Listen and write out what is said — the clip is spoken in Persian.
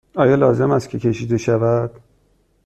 آیا لازم است که کشیده شود؟